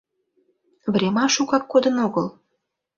Врема шукак кодын огыл.